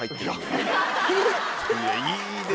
いやいいですね。